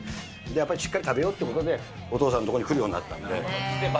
やっぱりしっかり食べようということで、お父さんの所に来るようになったんで。